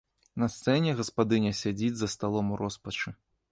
На сцэне гаспадыня сядзіць за сталом у роспачы.